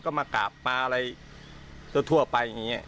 ก็มากราบปลาอะไรทั่วไปอย่างนี้